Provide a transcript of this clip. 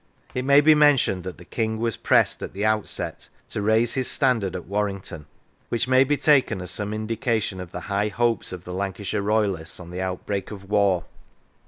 It may be mentioned that the King was pressed at the outset to raise his standard at Warrington, which may be taken as some indication of the high hopes of the Lancashire royalists on the outbreak of war.